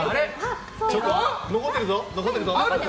残ってるぞ！